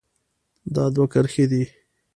دا دوه کرښې دي.